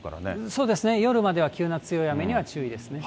そうですね、夜までは急な強い雨には注意ですね。